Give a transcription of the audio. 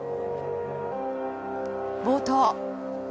冒頭。